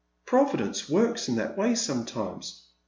Providence works in that way sometimes."